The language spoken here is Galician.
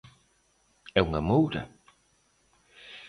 É unha moura?